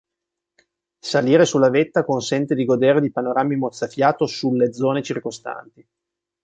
Salire sulla vetta consente di godere di panorami mozzafiato sulle zone circostanti.